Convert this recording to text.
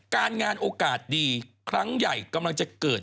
การงานโอกาสดีครั้งใหญ่กำลังจะเกิด